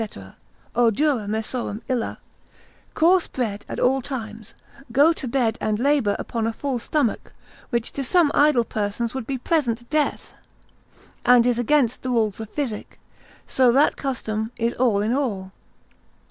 (O dura messorum illa), coarse bread at all times, go to bed and labour upon a full stomach, which to some idle persons would be present death, and is against the rules of physic, so that custom is all in all.